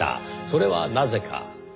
それはなぜか。